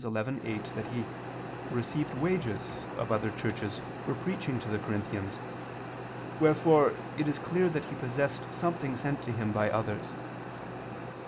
11:8) that he "received wages" of other churches for preaching to the Corinthians, wherefore it is clear that he possessed something sent to him by others.